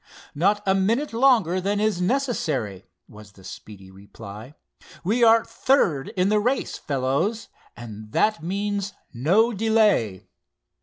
"Not a minute longer than it is necessary," was the speedy reply. "We are third in the race, fellows, and that means no delay."